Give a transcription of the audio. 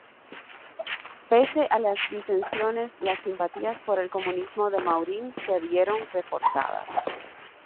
Pese a las disensiones, las simpatías por el comunismo de Maurín se vieron reforzadas.